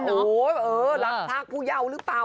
เออรับทากผู้เยาหรือเปล่า